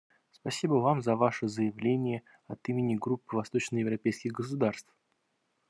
Спасибо Вам за Ваше заявление от имени Группы восточноевропейских государств.